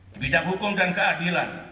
di bidang hukum dan keadilan